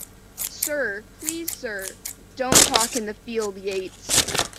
"Sir, please, sir —" "Don't talk in the field, Yates."